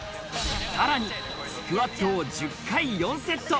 さらにスクワットを１０回４セット。